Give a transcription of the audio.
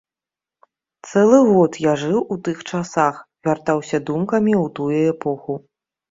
Цэлы год я жыў у тых часах, вяртаўся думкамі ў тую эпоху.